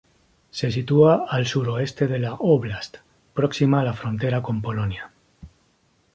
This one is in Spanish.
Se sitúa al suroeste de la óblast, próxima a la frontera con Polonia.